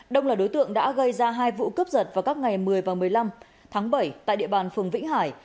đông là đối tượng đã gây ra hai vụ cướp giật vào các ngày một mươi và một mươi năm tháng bảy tại địa bàn phường vĩnh hải